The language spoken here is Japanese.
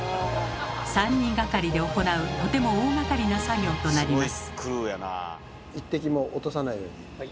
３人がかりで行うとても大がかりな作業となります。